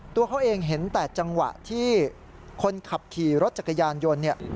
ตัวเขาเองเห็นแต่จังหวะที่คนขับขี่รถจักรยานยนต์เนี่ย